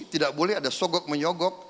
tidak boleh ada sogok menyogok